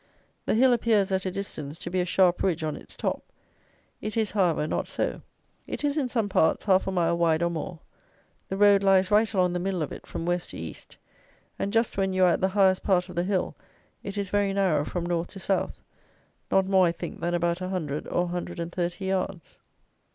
The hill appears, at a distance, to be a sharp ridge on its top. It is, however, not so. It is, in some parts, half a mile wide or more. The road lies right along the middle of it from west to east, and, just when you are at the highest part of the hill, it is very narrow from north to south; not more, I think, than about a hundred or a hundred and thirty yards.